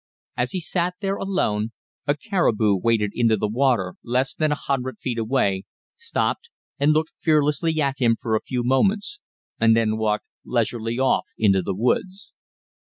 As he sat there alone, a caribou waded into the water less than a hundred feet away, stopped and looked fearlessly at him for a few moments, and then walked leisurely off into the woods.